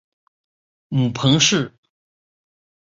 母彭氏。